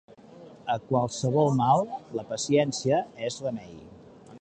A qualsevol mal, la paciència és remei.